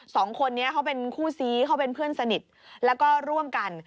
สองคนนี้เขาเป็นคู่ซี้เขาเป็นเพื่อนสนิทแล้วก็ร่วมกัน